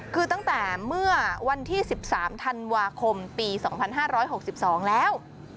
คือตั้งแต่เมื่อวันที่๑๓ธันวาคมปี๒๕๖๒แล้ว